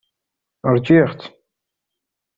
Ṛjiɣ-tt.